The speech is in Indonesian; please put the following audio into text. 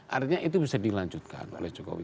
artinya itu bisa dilanjutkan oleh jokowi